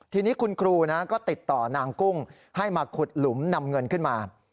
ทีนี้คุณครูก็ติดต่อนางกุ้งให้มาขุดหลุมนำเงินขึ้นมา